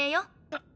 あっ。